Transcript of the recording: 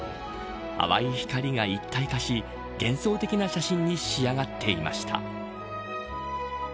淡い光が一体化し幻想的な写真に仕上がっていました。